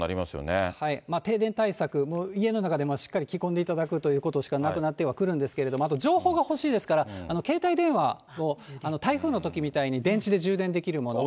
停電対策、家の中でもしっかり着込んでいただくということしかなくなってはくるんですけども、あと情報が欲しいですから、携帯電話を台風のときみたいに電池で充電できるもの。